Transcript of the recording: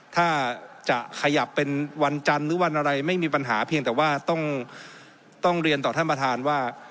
ถ้าจะขยับเป็นวันจันทร์หรือวันอะไรไม่มีปัญหาเพียงแต่ว่าต้องเรียนต่อท่านประธานว่า